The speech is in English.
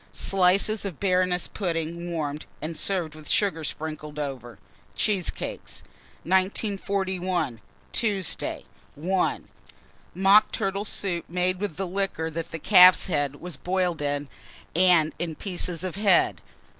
Slices of Baroness pudding warmed, and served with sugar sprinkled over. Cheesecakes. 1941. Tuesday. 1. Mock turtle soup, made with liquor that calf's head was boiled in, and the pieces of head.